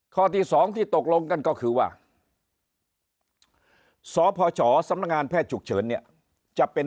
ข้อที่๒ที่ตกลงกันก็คือว่าสพชสำนักงานแพทย์ฉุกเฉินเนี่ยจะเป็น